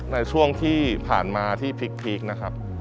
ในช่วงที่ผ่านมาที่พลิกนะครับ